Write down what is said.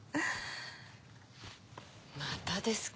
またですか。